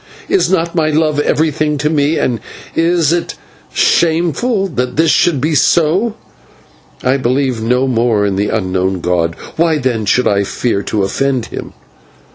Is not my love everything to me, and is it shameful that this should be so? I believe no more in this unknown god; why, then, should I fear to offend him?